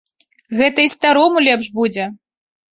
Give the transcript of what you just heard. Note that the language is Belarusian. Гэта і старому лепш будзе.